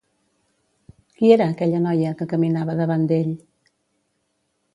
Qui era aquella noia que caminava davant d'ell?